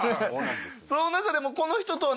その中でもこの人とは。